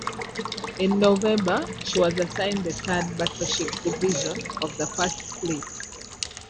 In November, she was assigned to the Third Battleship Division of the First Fleet.